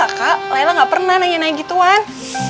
ya udah mulai sekarang lo suka nanya nanya gitu kan